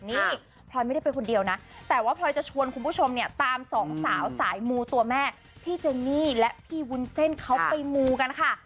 นี่พลอยไม่ได้ไปคนเดียวนะแต่ว่าพลอยจะชวนคุณผู้ชมเนี่ยตามสองสาวสายมูตัวแม่พี่เจนนี่และพี่วุ้นเส้นเขาไปมูกันค่ะ